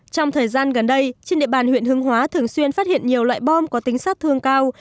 trong thời gian gần đây trên địa bàn huyện hương hóa thường xuyên phát hiện nhiều loại bom có tính sát thương cao